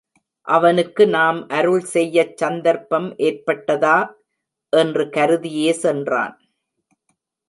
அவனுக்கு நாம் அருள் செய்யச் சந்தர்ப்பம் ஏற்படாதா? என்று கருதியே சென்றான்.